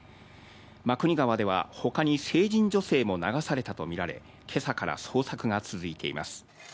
真国川では他に成人女性も流されたとみられ、けさから捜索が続いています。